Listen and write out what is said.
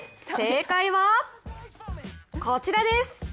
正解は、こちらです。